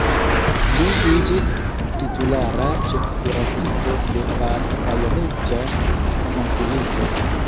Li iĝis titulara ĉefkuracisto de Bars kaj reĝa konsilisto.